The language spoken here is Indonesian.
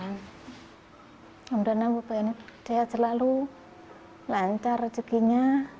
namun saya selalu lancar rezekinya